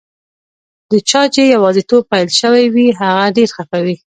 د چا چي یوازیتوب پیل شوی وي، هغه ډېر خفه وي.